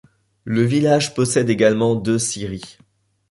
Le village possède également deux scieries.